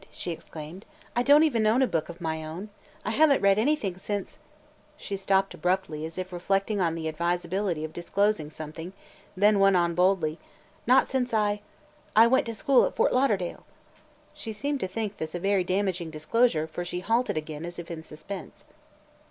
she exclaimed. "I don't even own a book of my own. I have n't read anything – since –" She stopped abruptly, as if reflecting on the advisability of disclosing something, then went on boldly, "– not since I – I went to school at Fort Lauderdale!" She seemed to think this a very damaging disclosure, for she halted again as if in suspense.